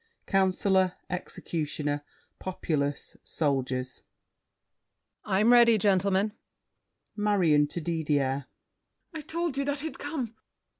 Councilor, Executioner, Populace, Soldiers COUNCILOR. I'm ready, Gentlemen! MARION (to Didier). I told you that he'd come!